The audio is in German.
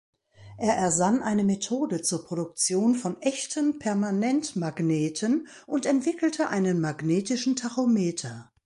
Er ersann eine Methode zur Produktion von echten Permanentmagneten und entwickelte einen magnetischen Tachometer.